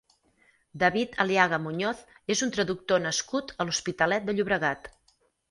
David Aliaga Muñoz és un traductor nascut a l'Hospitalet de Llobregat.